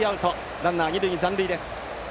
ランナー、二塁残塁です。